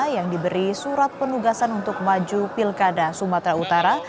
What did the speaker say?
yang diberi surat penugasan untuk maju pilkada sumatera utara